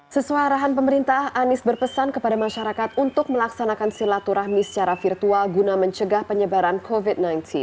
sesuai arahan pemerintah anies berpesan kepada masyarakat untuk melaksanakan silaturahmi secara virtual guna mencegah penyebaran covid sembilan belas